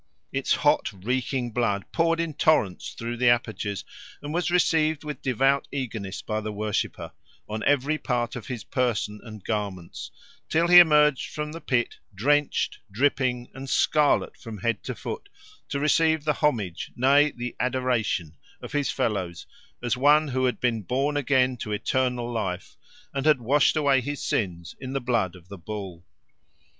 Its hot reeking blood poured in torrents through the apertures, and was received with devout eagerness by the worshipper on every part of his person and garments, till he emerged from the pit, drenched, dripping, and scarlet from head to foot, to receive the homage, nay the adoration, of his fellows as one who had been born again to eternal life and had washed away his sins in the blood of the bull.